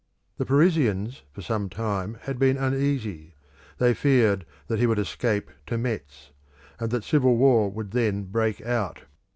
The Parisians for some time had been uneasy; they feared that he would escape to Metz; and that civil war would then break out.